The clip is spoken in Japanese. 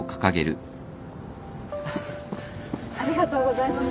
ありがとうございます。